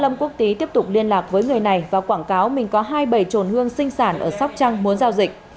lâm quốc tý tiếp tục liên lạc với người này và quảng cáo mình có hai bầy trộn hương sinh sản ở sóc trăng muốn giao dịch